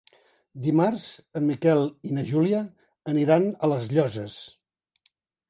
Dimarts en Miquel i na Júlia aniran a les Llosses.